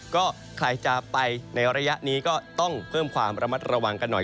ก็ใครจะไปในระยะนี้ก็ต้องเพิ่มความระมัดระวังกันหน่อย